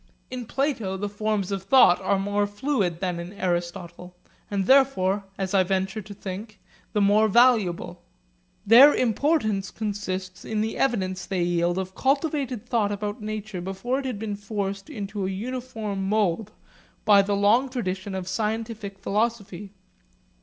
In Plato the forms of thought are more fluid than in Aristotle, and therefore, as I venture to think, the more valuable. Their importance consists in the evidence they yield of cultivated thought about nature before it had been forced into a uniform mould by the long tradition of scientific philosophy.